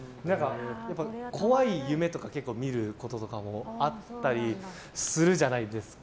怖い夢とか結構見ることとかもあったりするじゃないですか。